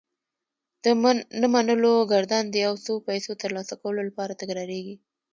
د نه منلو ګردان د يو څو پيسو ترلاسه کولو لپاره تکرارېږي.